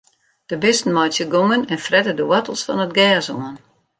De bisten meitsje gongen en frette de woartels fan it gers oan.